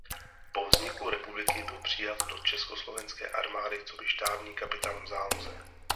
Po vzniku republiky byl přijat do československé armády coby štábní kapitán v záloze.